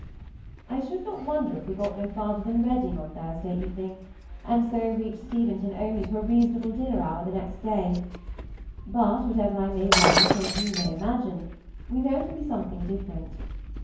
I should not wonder if we got no farther than Reading on Thursday evening, and so reach Steventon only to a reasonable dinner hour the next day; but whatever I may write or you may imagine, we know it will be something different.